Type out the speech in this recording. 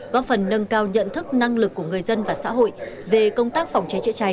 góp phần nâng cao nhận thức năng lực của người dân và xã hội về công tác phòng cháy chữa cháy